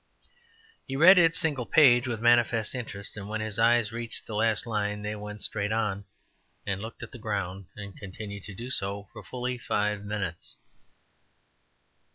He read its single page with manifest interest, and when his eyes reached the last line they went straight on, and looked at the ground, and continued to do so for fully five minutes.